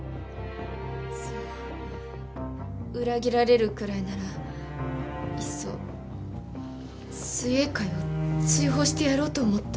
そう裏切られるくらいならいっそ水泳界を追放してやろうと思った。